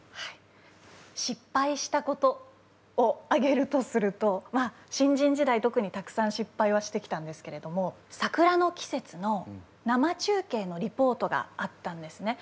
失敗したことを挙げるとするとまあ新人時代特にたくさん失敗はしてきたんですけれども桜の季節の生中継のリポートがあったんですね。